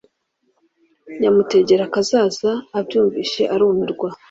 nyamutegerakazaza abyumvise arumirwa,